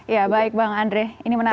ya baik bang andre ini menarik